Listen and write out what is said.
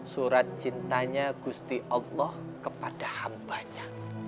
surat cintanya gusti allah kepada hambanya